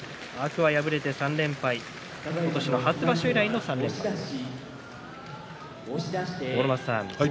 天空海は敗れて３連敗今年の初場所以来の３連敗です。